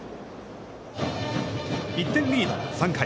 １点リードの３回。